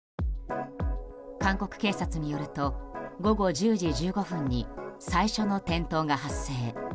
韓国警察によると午後１０時１５分に最初の転倒が発生。